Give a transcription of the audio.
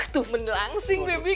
tuh menelangsing bibi